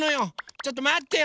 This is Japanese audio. ちょっとまってよ！